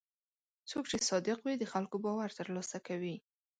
څوک چې صادق وي، د خلکو باور ترلاسه کوي.